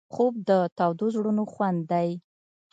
خوب د تودو زړونو خوند دی